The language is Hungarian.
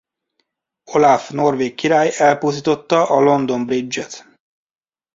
Olaf norvég király elpusztította a London Bridge-et.